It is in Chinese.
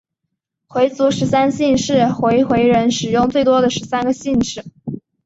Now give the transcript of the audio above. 回族十三姓是回回人使用最多的十三个姓氏。